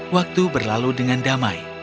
waktu berlalu dengan damai